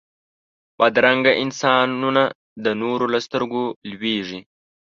بدرنګه انسانونه د نورو له سترګو لوېږي